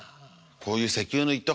こういう石油の一斗